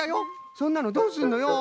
そんなのどうすんのよ。